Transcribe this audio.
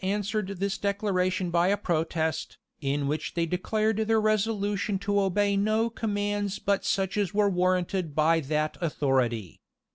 The peers answered this declaration by a protest, in which they declared their resolution to obey no commands but such as were warranted by that authority.